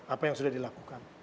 apa yang sudah dilakukan